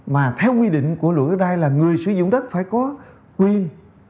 mà theo quy định của luật đất đai là người sử dụng đất phải có quyền